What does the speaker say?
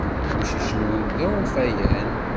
Amcic-nwent d awfayan.